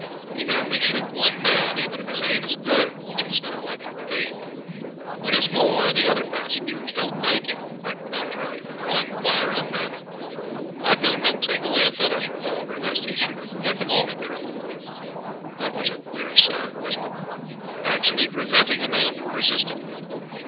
He can only shoot one man, even if his aim is good, which it's not likely to be. What is more, the other passengers don't thank him quite the contrary for drawing the fire on them. I have known men take away a fellow's revolver lest he should get them all into trouble. That was a queer start, wasn't it? Actually preventing a man from resisting.